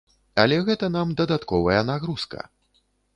Але гэта нам дадатковая нагрузка.